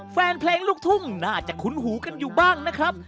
แฟนเพลงลูกทุ่งน่าจะคุ้นหูกันอยู่บ้างนะครับ